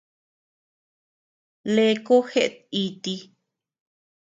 Leeko jeʼet iti.